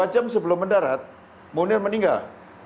dua jam sebelum mendarat munir meninggal